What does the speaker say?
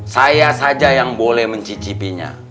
saya saja yang boleh mencicipinya